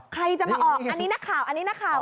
ใครจะมาออกอันนี้นักข่าวอันนี้นักข่าว